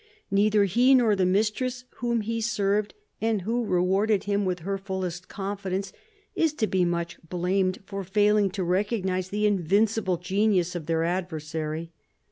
Neither he nor the mistress whom he served, and who rewarded him with her fullest confidence, is to be much blamed for failing to recognise the invincible genius of their adversary.